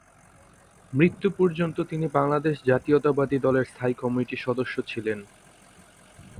মৃত্যু পর্যন্ত তিনি বাংলাদেশ জাতীয়তাবাদী দলের স্থায়ী কমিটির সদস্য ছিলেন।